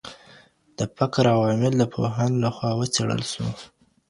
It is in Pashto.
د فقر عوامل د پوهانو لخوا وڅېړل سول.